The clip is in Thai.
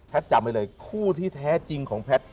จำไว้เลยคู่ที่แท้จริงของแพทย์